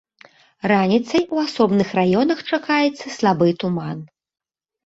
Раніцай у асобных раёнах чакаецца слабы туман.